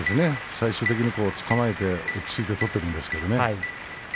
最終的につかまえて落ち着いて勝っているんですけれど。